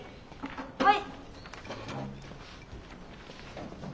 はい。